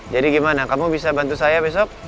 jadi gimana kamu bisa bantu saya besok